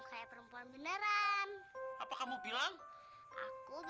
mari kita mulai lagi